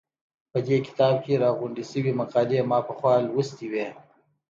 په دې کتاب کې راغونډې شوې مقالې ما پخوا لوستې وې.